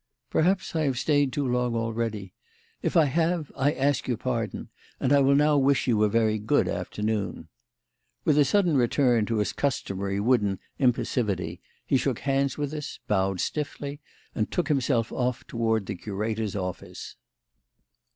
Perhaps I have stayed too long already. If I have I ask your pardon, and I will now wish you a very good afternoon." With a sudden return to his customary wooden impassivity, he shook hands with us, bowed stiffly, and took himself off towards the curator's office.